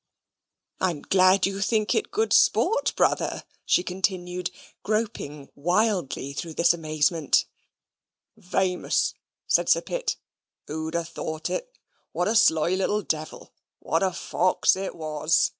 "I'm glad you think it good sport, brother," she continued, groping wildly through this amazement. "Vamous," said Sir Pitt. "Who'd ha' thought it! what a sly little devil! what a little fox it waws!"